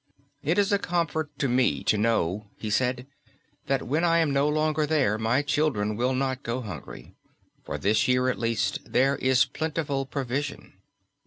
"It is a comfort to me to know," he said, "that when I am no longer there my children will not go hungry. For this year at least there is plentiful provision."